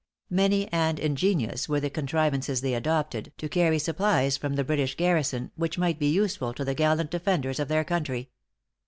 Many and ingenious were the contrivances they adopted, to carry supplies from the British garrison, which might be useful to the gallant defenders of their country.